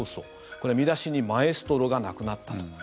これは見出しにマエストロが亡くなったと。